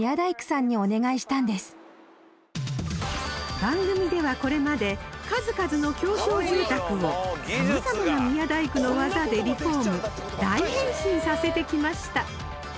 番組ではこれまで数々の狭小住宅を様々な宮大工のワザでリフォーム大変身させてきました